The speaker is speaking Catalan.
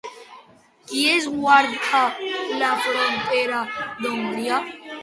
Qui esguarda la frontera d'Hongria?